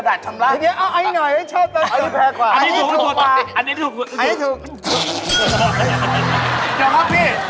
เดี๋ยวก่อนพี่